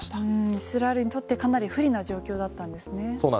イスラエルにとってかなり不利な状況だったんですね